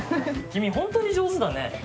君本当に上手だね。